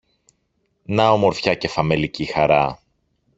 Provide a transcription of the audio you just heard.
Να ομορφιά και φαμελική χαρά